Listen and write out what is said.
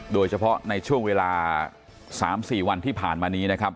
โดยเฉพาะในช่วงเวลา๓๔วันที่ผ่านมานี้นะครับ